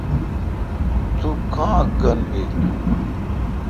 تو کاں گن بیل۔